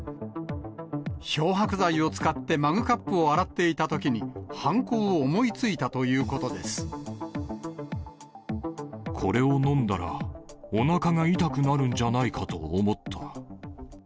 漂白剤を使ってマグカップを洗っていたときに、犯行を思いついたこれを飲んだら、おなかが痛くなるんじゃないかと思った。